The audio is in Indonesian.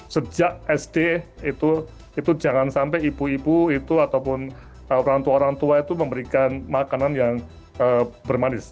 sejak sd itu jangan sampai ibu ibu itu ataupun orang tua orang tua itu memberikan makanan yang bermanis